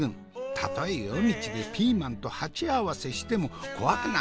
たとえ夜道でピーマンと鉢合わせしても怖くなんかない。